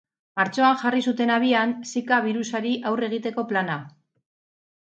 Martxoan jarri zuten abian zika birusari aurre egiteko plana.